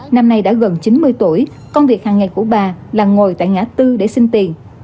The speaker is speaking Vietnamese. năm nay đã gần chín mươi tuổi công việc hàng ngày của bà là ngồi tại ngã tư để xin tiền